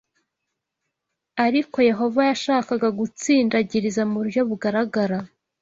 Ariko Yehova yashakaga gutsindagiriza mu buryo bugaragara